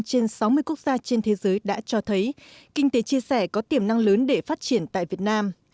trên sáu mươi quốc gia trên thế giới đã cho thấy kinh tế chia sẻ có tiềm năng lớn để phát triển tại việt nam